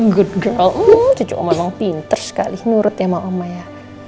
good girl cucu oma emang pinter sekali nurut sama oma ya